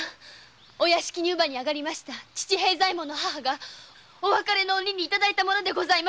お屋敷に乳母にあがりました父平左衛門の母がお別れの折に頂いたものです。